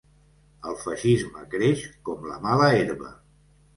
El feixisme creix com la mala herba.